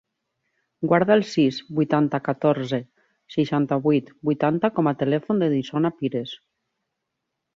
Guarda el sis, vuitanta, catorze, seixanta-vuit, vuitanta com a telèfon de l'Isona Pires.